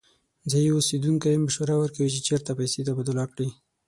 ځایی اوسیدونکی مشوره ورکوي چې چیرته پیسې تبادله کړي.